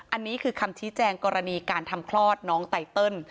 อันนี้คือคำชี้แจงกรณีการทำคลอดน้องไตเติล